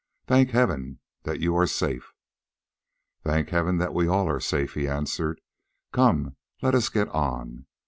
"Thank Heaven that you are safe!" "Thank Heaven that we are all safe," he answered. "Come, let us get on.